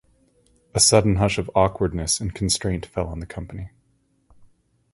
A sudden hush of awkwardness and constraint fell on the company.